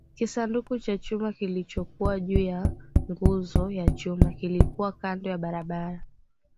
Kisanduku cha chuma kilichokuwa juu ya nguzo ya chuma kilikuwa kando ya barabara